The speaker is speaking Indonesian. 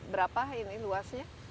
berapa ini luasnya